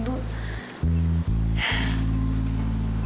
ibu belum pulang ya